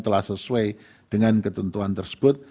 telah sesuai dengan ketentuan tersebut